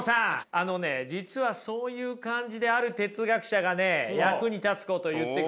あのね実はそういう感じである哲学者がね役に立つこと言ってくれてますよ。